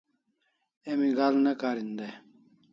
Emi ga'al ne karin dai